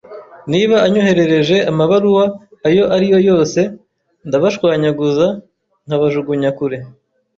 Niba anyoherereje amabaruwa ayo ari yo yose, ndabashwanyaguza nkabajugunya kure.